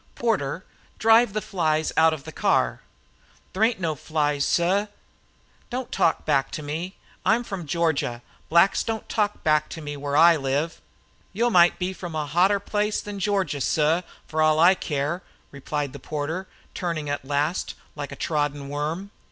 "Porter, drive the flies out of the car." "They ain't no flies, suh." "Don't talk back to me. I'm from Georgia. Blacks don't talk back to me where I live." "Yo mought be from a hotter place than Georgia, suh, fer all I care," replied the porter, turning at the last, like a trodden worm.